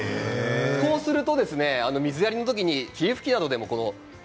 こうすると水やりの時に霧吹きなどでも。